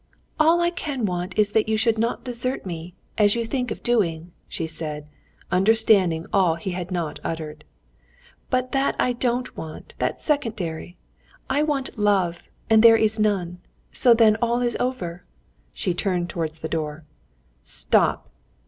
All I can want is that you should not desert me, as you think of doing," she said, understanding all he had not uttered. "But that I don't want; that's secondary. I want love, and there is none. So then all is over." She turned towards the door. "Stop!